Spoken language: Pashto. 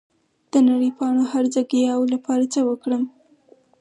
د نرۍ پاڼو هرزه ګیاوو لپاره څه وکړم؟